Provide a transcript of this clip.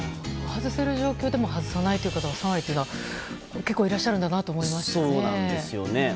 外せる状況でも外さないという方が３割というのは結構いらっしゃるんだなと思いましたね。